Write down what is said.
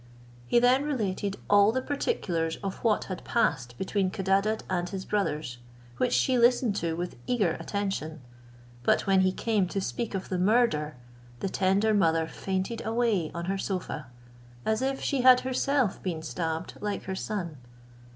He then related all the particulars of what had passed between Codadad and his brothers, which she listened to with eager attention; but when he came to speak of the murder, the tender mother fainted away on her sofa, as if she had herself been stabbed like her son.